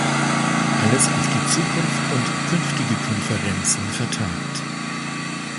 Alles auf die Zukunft und künftige Konferenzen vertagt.